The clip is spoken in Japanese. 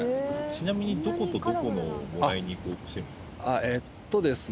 ちなみにどことどこのをもらいに行こうとしてるんですか？